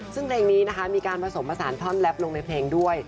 ซึ่งเพลงนี้นะคะมีการผสมผสานท่อนแลปลงในเพลงด้วย